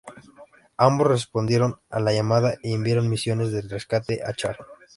Ambos respondieron a la llamada y enviaron misiones de rescate a Char.